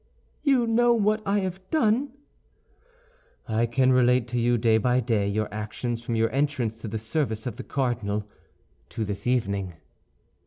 "You know what I have done?" "I can relate to you, day by day, your actions from your entrance to the service of the cardinal to this evening."